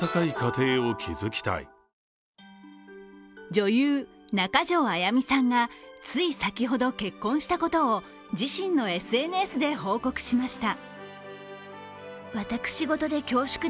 女優・中条あやみさんがつい先ほど、結婚したことを自身のＳＮＳで報告しました。